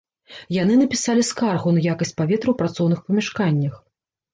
Яны напісалі скаргу на якасць паветра ў працоўных памяшканнях.